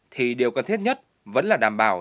thì điều cần thiết nhất vẫn là đảm bảo